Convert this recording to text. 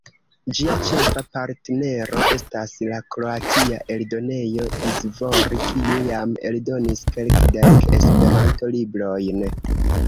Ĝia ĉefa partnero estas la kroatia eldonejo Izvori, kiu jam eldonis kelkdek Esperanto-librojn.